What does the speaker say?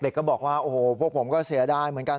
เด็กก็บอกว่าพวกผมก็เสียดายเหมือนกัน